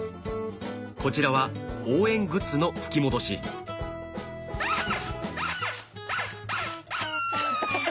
こちらは応援グッズの吹き戻しハハハ！